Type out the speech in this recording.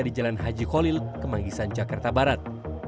di jalan haji kholil kemanggisan jakarta barat